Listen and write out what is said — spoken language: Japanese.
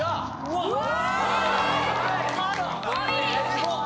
すごっ！